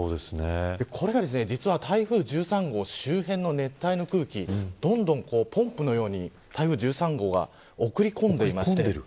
これが実は台風１３号の周辺の熱帯の空気どんどんポンプのように台風１３号が送り込んでいます。